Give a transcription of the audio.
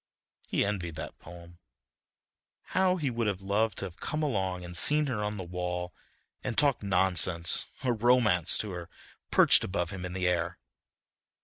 He envied that poem. How he would have loved to have come along and seen her on the wall and talked nonsense or romance to her, perched above him in the air.